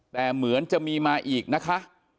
แต่เหมือนจะมีมาอีกนะคะ